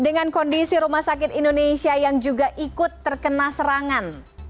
dengan kondisi rumah sakit indonesia yang juga ikut terkena serangan